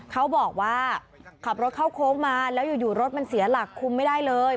เขาบอกว่าขับรถเข้าโค้งมาแล้วอยู่รถมันเสียหลักคุมไม่ได้เลย